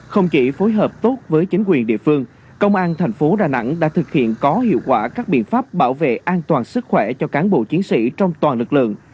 không chỉ phối hợp tốt với chính quyền địa phương công an thành phố đà nẵng đã thực hiện có hiệu quả các biện pháp bảo vệ an toàn sức khỏe cho cán bộ chiến sĩ trong toàn lực lượng